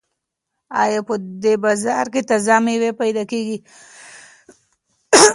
ایا په دې بازار کې تازه مېوې پیدا کیږي؟